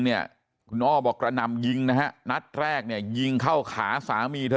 เนี่ยคุณอ้อบอกกระหน่ำยิงนะฮะนัดแรกเนี่ยยิงเข้าขาสามีเธอ